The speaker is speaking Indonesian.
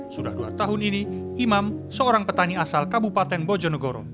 sudah dua tahun ini imam seorang petani asal kabupaten bojonegoro